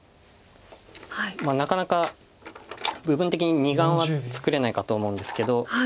なかなか部分的に２眼は作れないかと思うんですけど。